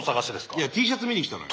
いやＴシャツ見に来たのよ。